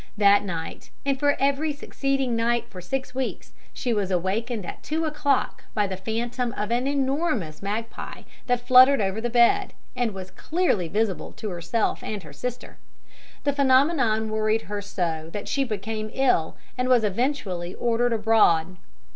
That night and for every succeeding night for six weeks she was awakened at two o'clock by the phantom of an enormous magpie that fluttered over the bed, and was clearly visible to herself and her sister. The phenomenon worried her so that she became ill, and was eventually ordered abroad.